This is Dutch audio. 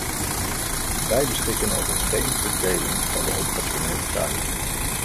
Wij beschikken over geen verdeling van de operationele taken.